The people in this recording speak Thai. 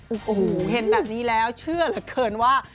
โอ้โหเห็นแบบนี้แล้วเชื่อเหลือเกินว่า